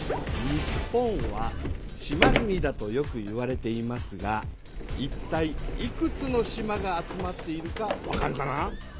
日本は島国だとよくいわれていますがいったいいくつの島が集まっているかわかるかな？